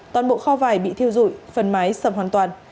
toàn bộ kho vải bị thiêu dụi phần mái sập hoàn toàn